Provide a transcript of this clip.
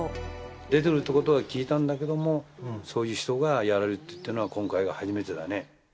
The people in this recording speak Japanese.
出てるということは聞いたんだけれども、そういう人がやられるというのは今回が初めてだね。